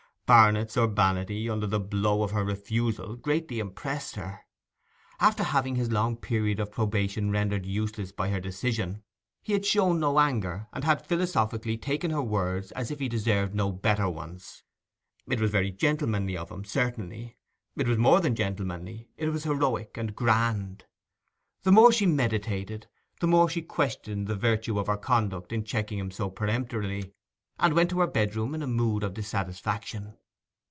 Barnet's urbanity under the blow of her refusal greatly impressed her. After having his long period of probation rendered useless by her decision, he had shown no anger, and had philosophically taken her words as if he deserved no better ones. It was very gentlemanly of him, certainly; it was more than gentlemanly; it was heroic and grand. The more she meditated, the more she questioned the virtue of her conduct in checking him so peremptorily; and went to her bedroom in a mood of dissatisfaction.